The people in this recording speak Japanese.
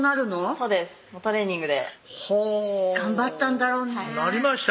そうですトレーニングでほう頑張ったんだろうねなりました？